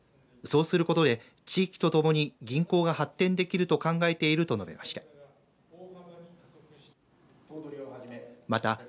そうすることで、地域とともに銀行が発展できると考えていると述べました。